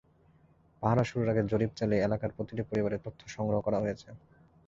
পাহারা শুরুর আগে জরিপ চালিয়ে এলাকার প্রতিটি পরিবারে তথ্য সংগ্রহ করা হয়েছে।